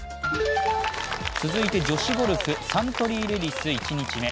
続いて女子ゴルフサントリーレディス１日目。